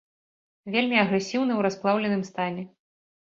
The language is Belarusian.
Вельмі агрэсіўны ў расплаўленым стане.